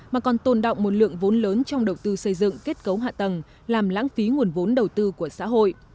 mà còn tồn động một lượng vốn lớn trong đầu tư xây dựng kết cấu hạ tầng làm lãng phí nguồn vốn đầu tư của xã hội